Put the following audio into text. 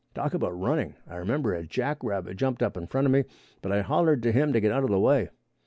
Talk about running. I remember a jackrabbit jumped up in front of me, but I hollered to him to get out of the way.